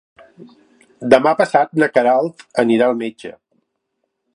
Demà passat na Queralt anirà al metge.